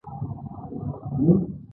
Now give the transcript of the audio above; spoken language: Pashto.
میوه د تخم ساتنه کوي